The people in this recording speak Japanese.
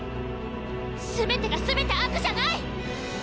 全てが全て悪じゃない！